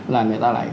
là người ta lại